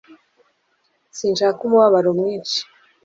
Sinshaka umubabaro mwinshi